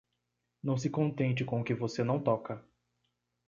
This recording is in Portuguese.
Não se contente com o que você não toca.